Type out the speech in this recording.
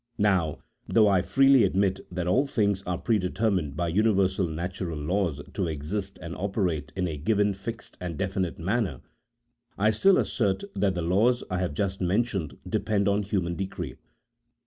Now, though I freely admit that all things are predetermined by universal natural laws to exist and operate in a given, fixed, and definite manner, I still assert that the laws I have just mentioned depend on human decree.